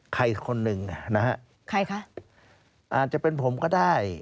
ใครคนนึงนะฮะอาจจะเป็นผมก็ได้